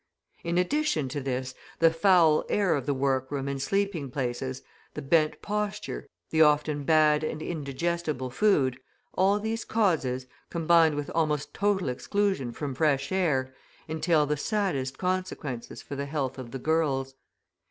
In addition to this, the foul air of the workroom and sleeping places, the bent posture, the often bad and indigestible food, all these causes, combined with almost total exclusion from fresh air, entail the saddest consequences for the health of the girls.